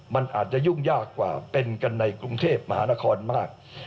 มันอาจจะยุ่งยากกว่าเป็นกันในกรุงเทพมหานครมาก